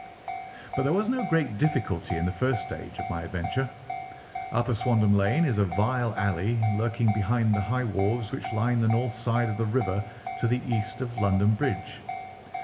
But there was no great difficulty in the first stage of my adventure. Upper Swandam Lane is a vile alley lurking behind the high wharves which line the north side of the river to the east of London Bridge.